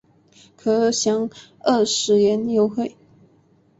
可享二十元优惠